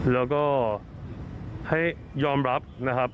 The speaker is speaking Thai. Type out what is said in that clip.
แล้วก็ให้ยอมรับนะครับ